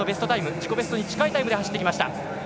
自己ベストに近いタイムで走ってきました。